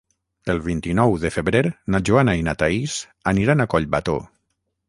El vint-i-nou de febrer na Joana i na Thaís aniran a Collbató.